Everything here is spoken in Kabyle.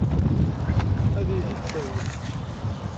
Ad iyi-t-id-tawim?